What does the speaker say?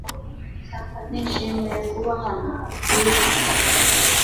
Nishimiye kuba hano, Bwiza .